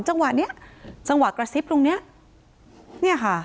จังหวะเนี้ยจังหวะกระซิบตรงเนี้ยเนี่ยค่ะ